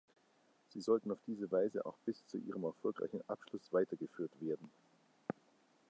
Sie sollten auf diese Weise auch bis zu ihrem erfolgreichen Abschluss weitergeführt werden.